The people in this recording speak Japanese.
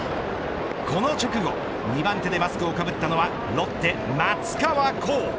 この直後、２番手でマスクをかぶったのはロッテ、松川虎生。